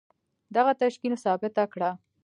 دغه تشکيل ثابته کړه.